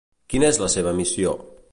Quina és la seva missió?